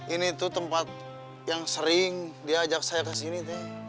ini tuh tempat yang sering dia ajak saya ke sini teh